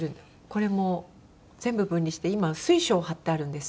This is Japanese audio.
これも全部分離して今水晶を貼ってあるんです